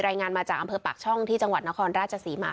รายงานมาจากอำเภอปากช่องที่จังหวัดนครราชศรีมา